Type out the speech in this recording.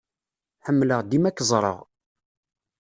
Ḥemmleɣ dima ad k-ẓreɣ.